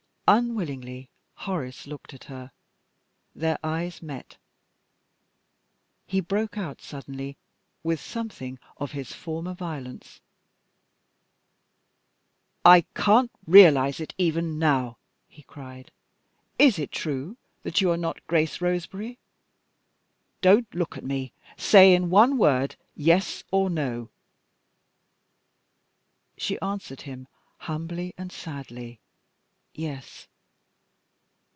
Unwillingly Horace looked at her. Their eyes met. He broke out suddenly with something of his former violence. "I can't realize it even now!" he cried. "Is it true that you are not Grace Roseberry? Don't look at me! Say in one word Yes or No!" She answered him, humbly and sadly, "Yes."